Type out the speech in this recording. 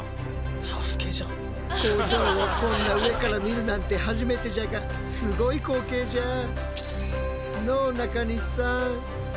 工場をこんな上から見るなんて初めてじゃがすごい光景じゃあ！